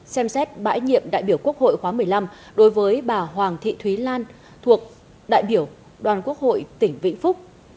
xem xét bãi nhiệm đại biểu quốc hội khóa một mươi năm đối với bà hoàng thị thúy lan thuộc đại biểu đoàn quốc hội tỉnh vĩnh phúc